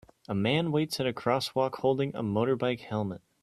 A man waits at a crosswalk holding a motorbike helmet